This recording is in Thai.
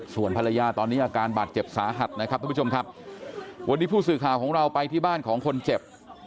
ส่วนภรรยาตอนนี้อาการบาดเจ็บสาหัสนะครับทุกผู้ชมครับวันนี้ผู้สื่อข่าวของเราไปที่บ้านของคนเจ็บ